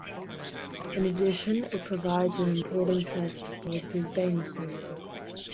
In addition, it provides an important test for the Big Bang theory.